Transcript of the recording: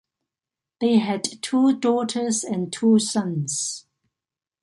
They had two daughters and two sons.